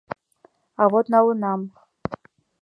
А вот налынам.